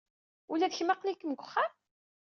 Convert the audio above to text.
Ula d kemm aql-ikem deg uxxam?